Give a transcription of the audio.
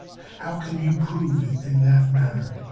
* How can you prove it in that manner?